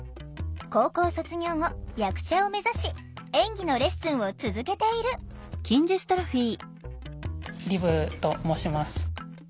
高校卒業後役者を目指し演技のレッスンを続けているリブと申します。